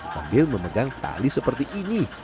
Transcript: sambil memegang tali seperti ini